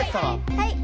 はい。